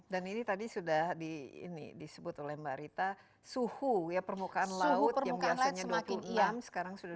dan ini tadi sudah disebut oleh mbak rita suhu permukaan laut yang biasanya dua puluh enam sekarang sudah dua puluh sembilan